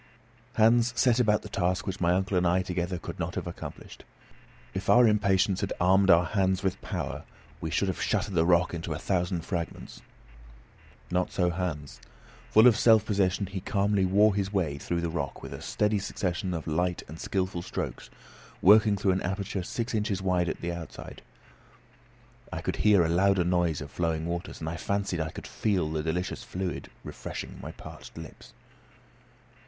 Hans set about the task which my uncle and I together could not have accomplished. If our impatience had armed our hands with power, we should have shattered the rock into a thousand fragments. Not so Hans. Full of self possession, he calmly wore his way through the rock with a steady succession of light and skilful strokes, working through an aperture six inches wide at the outside. I could hear a louder noise of flowing waters, and I fancied I could feel the delicious fluid refreshing my parched lips.